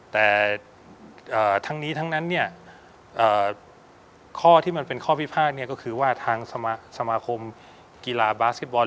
แต่ทั้งนี้ทั้งนั้นเนี่ยข้อที่มันเป็นข้อพิพาทก็คือว่าทางสมาคมกีฬาบาสเก็ตบอล